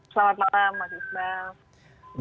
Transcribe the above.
selamat malam mas ismail